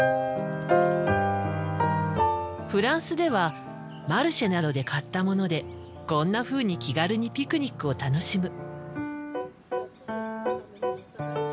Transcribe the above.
フランスではマルシェなどで買ったものでこんなふうに気軽にピクニックを楽しむ。